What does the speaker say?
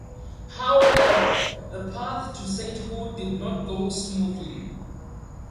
However, the path to sainthood did not go smoothly.